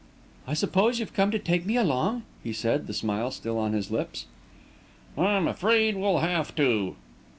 "I suppose you've come to take me along?" he said, the smile still on his lips. "I'm afraid we'll have to."